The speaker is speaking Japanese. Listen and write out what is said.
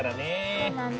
そうなんだ。